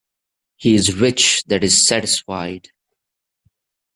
He is rich that is satisfied.